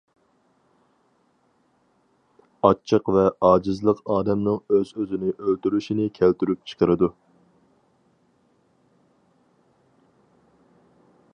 ئاچچىق ۋە ئاجىزلىق ئادەمنىڭ ئۆز-ئۆزىنى ئۆلتۈرۈشىنى كەلتۈرۈپ چىقىرىدۇ.